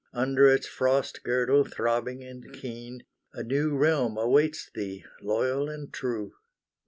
Under its frost girdle throbbing and keen, A new realm awaits thee, loyal and true!"